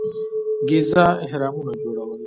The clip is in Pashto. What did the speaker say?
ګیزا اهرامونه جوړول.